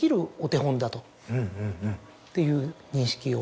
っていう認識を。